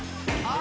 あ！